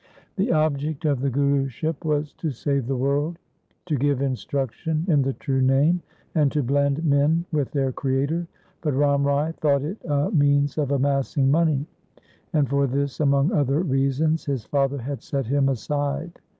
The object of the Guruship was to save the world, to give instruction in the true Name, and to blend men with their Creator, but Ram Rai thought it a means of amassing money, and for this among other reasons his father had set him aside.